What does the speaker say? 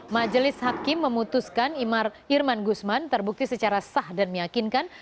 majelis hakim memutuskan imar irman gusman terbukti secara sah dan meyakinkan